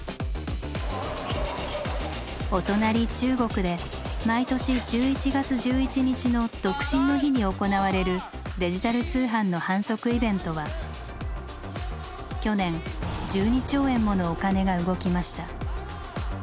お隣中国で毎年１１月１１日の「独身の日」に行われるデジタル通販の販促イベントは去年１２兆円ものお金が動きました。